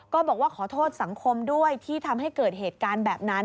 ก็บอกว่าขอโทษสังคมด้วยที่ทำให้เกิดเหตุการณ์แบบนั้น